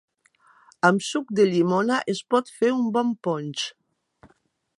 Amb suc de llimona es pot fer un bon ponx.